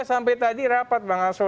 p tiga sampai tadi rapat bang asro